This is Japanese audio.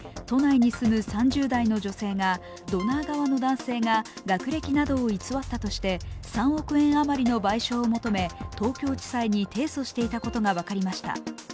都内に住む３０代の男性がドナー側の男性が学歴などを偽ったとして３億円あまりの賠償を求め、東京地裁に提訴していたことが分かりました。